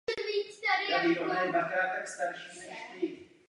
O výsledku bude rozhodnuto v rozpravách v příštích dnech.